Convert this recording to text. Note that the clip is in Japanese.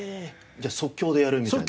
じゃあ即興でやるみたいな。